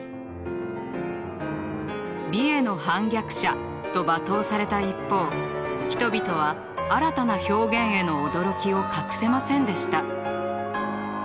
美への反逆者と罵倒された一方人々は新たな表現への驚きを隠せませんでした。